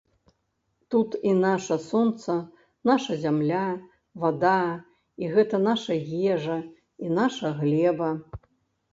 Тут і наша сонца, наша зямля, вада, і гэта наша ежа і наша глеба.